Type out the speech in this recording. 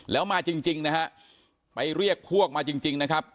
แล้วมาจริงนะฮะไปเรียกพวกมาจริงนะครับ